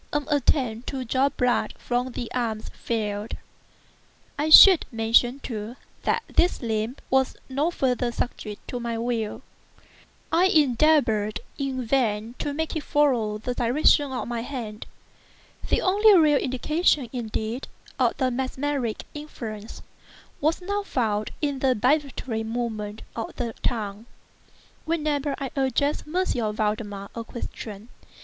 An attempt to draw blood from the arm failed. I should mention, too, that this limb was no farther subject to my will. I endeavored in vain to make it follow the direction of my hand. The only real indication, indeed, of the mesmeric influence, was now found in the vibratory movement of the tongue, whenever I addressed M. Valdemar a question.